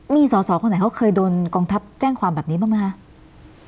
มีสอสอคนไหนเขาเคยโดนกองทัพแจ้งความแบบนี้บ้างไหมคะ